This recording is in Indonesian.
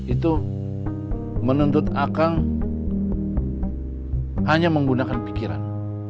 itu menuntut akang hanya menggunakan pikiran